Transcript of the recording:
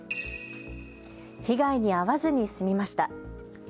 被害に遭わずに済みました。